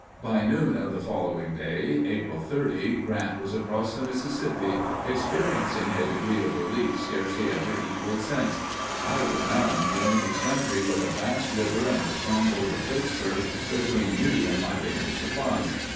By noon of the following day, April 30, Grant was across the Mississippi, experiencing a degree of relief scarcely ever equaled since.... I was now in the enemy's country, with a vast river and the stronghold of Vicksburg between me and my base of supplies.